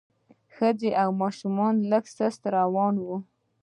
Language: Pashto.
ښځې او ماشومان لږ سست روان وو.